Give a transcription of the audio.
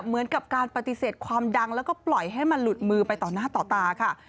เหมือนกับการปฏิเสธความดังแล้วก็ปล่อยให้มันหลุดมือไปต่อหน้าต่อตาค่ะ